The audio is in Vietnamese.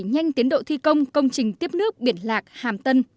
nhanh tiến độ thi công công trình tiếp nước biển lạc hàm tân